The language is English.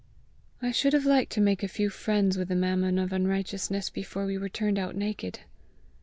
"I should have liked to make a few friends with the mammon of unrighteousness before we were turned out naked!"